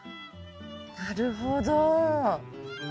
なるほど。